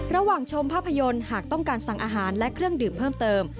ชมภาพยนตร์หากต้องการสั่งอาหารและเครื่องดื่มเพิ่มเติม